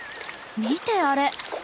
見てあれ。